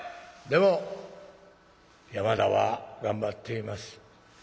「でも山田は頑張っています。